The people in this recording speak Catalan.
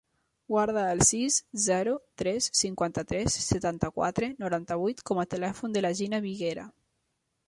Guarda el sis, zero, tres, cinquanta-tres, setanta-quatre, noranta-vuit com a telèfon de la Gina Viguera.